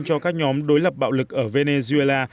cho các nhóm đối lập bạo lực ở venezuela